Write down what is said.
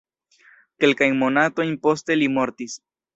Kelkajn monatojn poste li mortis.